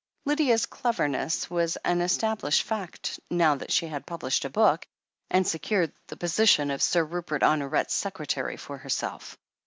Lydia's "cleverness" was an established fact now that she had published a book and secured the position of Sir Rupert Honoret's secretary for herself.